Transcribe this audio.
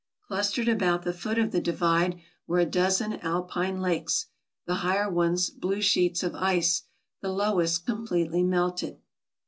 Clustered about the foot of the divide were a dozen alpine lakes ; the higher ones blue sheets of ice, the lowest completely melted.